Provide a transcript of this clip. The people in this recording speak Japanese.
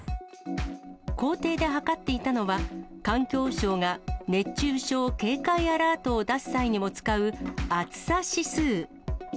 校庭で計っていたのは、環境省が熱中症警戒アラートを出す際にも使う、暑さ指数。